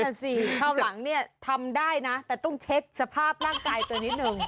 นั่นสิเข้าหลังทำได้นะแต่ต้องเช็คสภาพร่างกายตัวนิดหนึ่ง